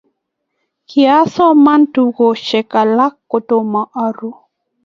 kiasoman tokosiek alak kotomo aru